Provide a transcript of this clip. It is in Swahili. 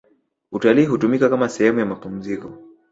utalii hutumika kama sehemu ya mapumziko